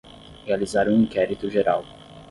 Realizar um inquérito geral